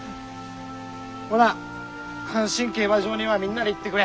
ほな阪神競馬場にはみんなで行ってくれ。